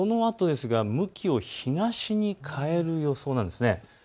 そのあと向きを東に変える予想なんです。